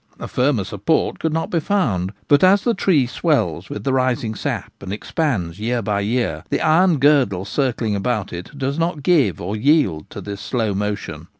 A firmer support could not be found ; but as the tree swells with the rising sap, and expands year by year, the iron girdle circling about it does not ' give ' or yield to this slow motion.